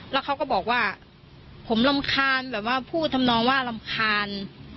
แล้วเขาก็บอกว่าผมรำคาญแบบว่าพูดทำนองว่ารำคาญ